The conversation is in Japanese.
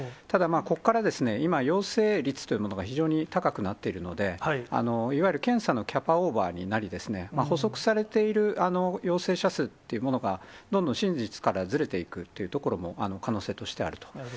ただ、ここから今、陽性率というものが非常に高くなっているので、いわゆる検査のキャパオーバーになり、捕捉されている陽性者数っていうものが、どんどん真実からずれていくっていうところも、可能性としてあると。